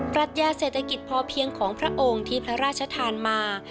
รัชญาเศรษฐกิจพอเพียงของพระองค์ที่พระราชทานมา